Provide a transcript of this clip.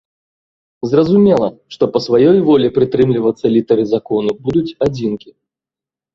Зразумела, што па сваёй волі прытрымлівацца літары закону будуць адзінкі.